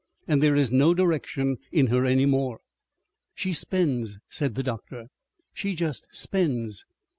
And there is no direction in her any more. "She spends," said the doctor, "she just spends.